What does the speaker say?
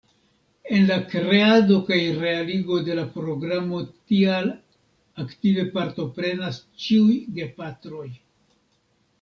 En la kreado kaj realigo de la programo tial aktive partoprenas ĉiuj gepatroj.